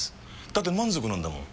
だって満足なんだもん。